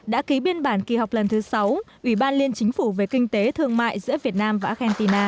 đã ký biên bản kỳ họp lần thứ sáu ủy ban liên chính phủ về kinh tế thương mại giữa việt nam và argentina